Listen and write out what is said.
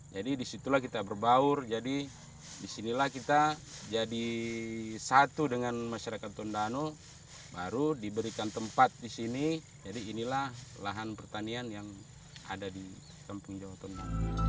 disitulah kita berbaur jadi disinilah kita jadi satu dengan masyarakat tondano baru diberikan tempat di sini jadi inilah lahan pertanian yang ada di kampung jawa tengah